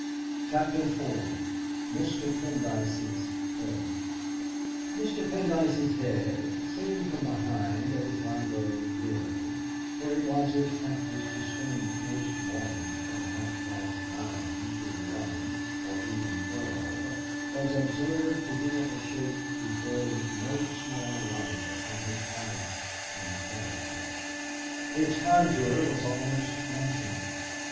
CHAPTER IV Mr. PENDYCE'S HEAD Mr. Pendyce's head, seen from behind at his library bureau, where it was his practice to spend most mornings from half past nine to eleven or even twelve, was observed to be of a shape to throw no small light upon his class and character. Its contour was almost national.